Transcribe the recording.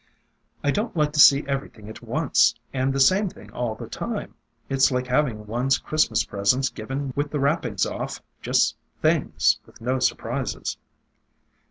"I don't like to see everything at once, and the same thing all the time. It 's like having one's Christmas presents given with the wrappings off,— just things, with no surprises."